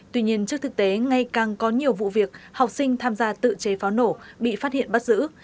tuy nhiên trước thực tế ngay càng có nhiều vụ việc học sinh tham gia tự chế pháo nổ bị phát hiện bắt giữ